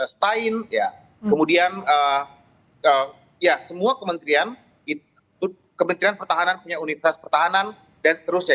stain kemudian semua kementerian kementerian pertahanan punya unitras pertahanan dan seterusnya